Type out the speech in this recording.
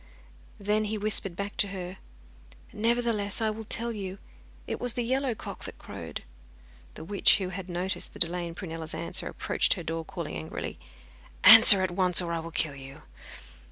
Then he whispered back to her: 'Nevertheless, I will tell you. It was the yellow cock that crowed.' The witch, who had noticed the delay in Prunella's answer, approached her door calling angrily: 'Answer at once, or I will kill you.